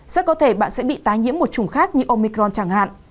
sẽ có thể bạn sẽ bị tái nhiễm một chủng khác như omicron chẳng hạn